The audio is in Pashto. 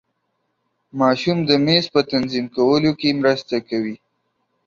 ماشوم د میز په تنظیم کولو کې مرسته کوي.